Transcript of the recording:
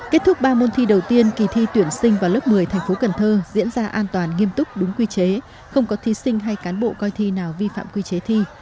kết thúc ba môn thi đầu tiên kỳ thi tuyển sinh vào lớp một mươi thành phố cần thơ diễn ra an toàn nghiêm túc đúng quy chế không có thí sinh hay cán bộ coi thi nào vi phạm quy chế thi